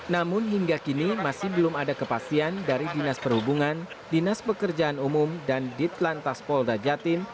namun hingga kini masih belum ada kepastian dari dinas perhubungan dinas pekerjaan umum dan ditlantas polda jatim